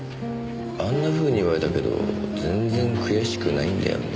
あんなふうに言われたけど全然悔しくないんだよね。